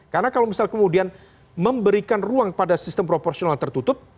karena kalau misal kemudian memberikan ruang pada sistem proporsional tertutup